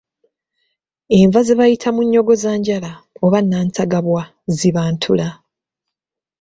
Enva ze bayita munnyogozanjala oba Nantagabwa ziba ntula.